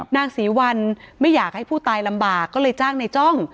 นางศรีวัลไม่อยากให้ผู้ตายลำบากก็เลยจ้างในจ้อง